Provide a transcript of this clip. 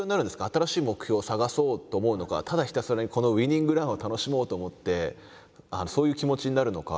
新しい目標を探そうと思うのかただひたすらにこのウイニングランを楽しもうと思ってそういう気持ちになるのか。